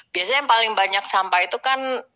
biasanya yang paling banyak sampah itu kan